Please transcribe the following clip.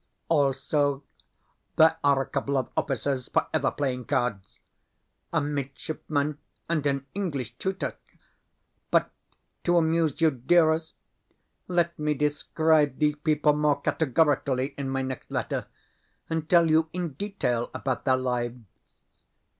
Also, there are a couple of officers (for ever playing cards), a midshipman, and an English tutor. But, to amuse you, dearest, let me describe these people more categorically in my next letter, and tell you in detail about their lives.